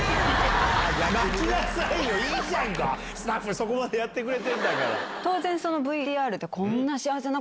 そこまでやってくれてんだから。